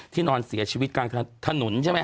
ที่นอนเสียชีวิตการถนนใช่ไหม